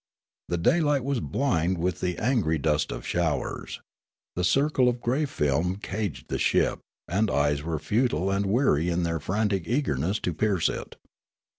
The daylight was blind with the angry dust of showers ; the circle of grey film caged the ship, and eyes were futile and weary in their frantic eagerness to pierce it.